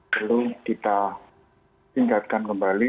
perlu kita tingkatkan kembali